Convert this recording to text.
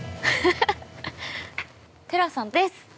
寺さんです。